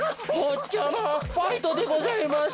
ぼっちゃまファイトでございます。